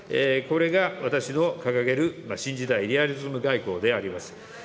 これが私の掲げる新時代リアリズム外交であります。